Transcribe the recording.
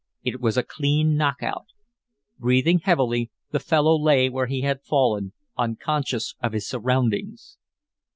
It was a clean knockout. Breathing heavily, the fellow lay where he had fallen, unconscious of his surroundings.